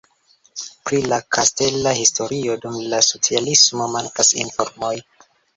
Pri la kastela historio dum la socialismo mankas informoj.